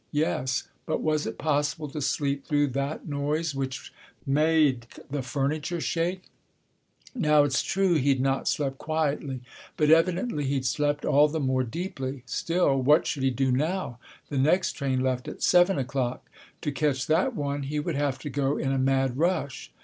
Yes, but was it possible to sleep through that noise which made the furniture shake? Now, it's true he'd not slept quietly, but evidently he'd slept all the more deeply. Still, what should he do now? The next train left at seven o'clock. To catch that one, he would have to go in a mad rush.